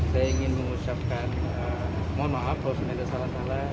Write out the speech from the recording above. saya ingin mengucapkan mohon maaf kalau sudah ada salah salah